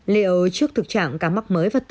liệu trước thực trạng cá mắc mới và tử vụ